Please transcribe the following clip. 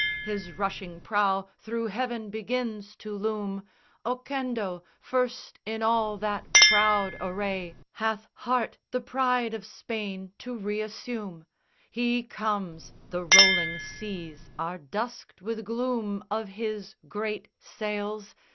His rushing prow thro' heaven begins to loom, Oquendo, first in all that proud array, Hath heart the pride of Spain to reassume: He comes; the rolling seas are dusked with gloom Of his great sails!